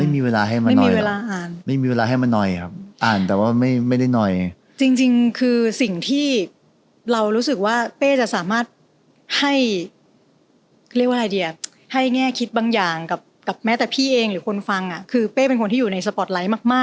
ไม่ทำอะไรฉันก็ยังมีเงินใช้